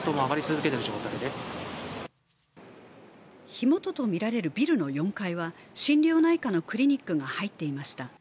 火元とみられるビルの４階は心療内科のクリニックが入っていました。